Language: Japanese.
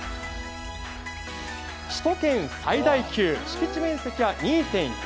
首都圏最大級敷地面積は２．４ｈａ。